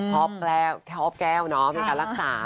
อบแค่หอบแก้วเนอะมีการรักษา